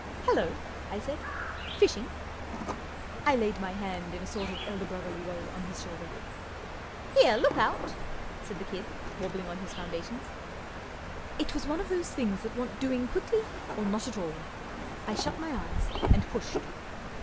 44 Hallo !" I said. 44 Fishing ?" I laid my hand in a sort of elder brotherly way on his shoulder. 44 Here, look out !" said the kid, wobbling on his foundations. It was one of those things that want doing quickly or not at all. I shut my eyes and pushed.